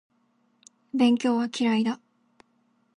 勉強は嫌いだ